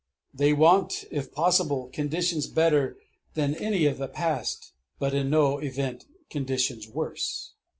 They want, if possible, conditions better than any of the past, but in no event conditions worse.